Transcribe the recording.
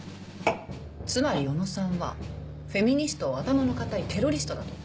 つまり小野さんはフェミニストを頭の固いテロリストだと？